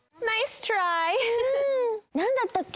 なんだったっけ？